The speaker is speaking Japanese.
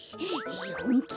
えほんき？